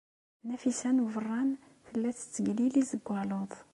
Nafisa n Ubeṛṛan tella tettegliliz deg waluḍ.